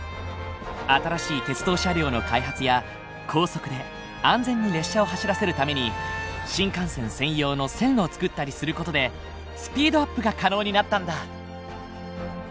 新しい鉄道車両の開発や高速で安全に列車を走らせるために新幹線専用の線路を造ったりする事でスピードアップが可能になったんだ。